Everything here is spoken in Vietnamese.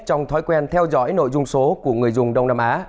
trong thói quen theo dõi nội dung số của người dùng đông nam á